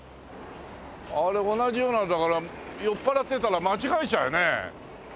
あれ同じようなのだから酔っ払ってたら間違えちゃうよね。